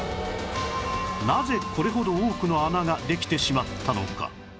なぜこれほど多くの穴ができてしまったのか？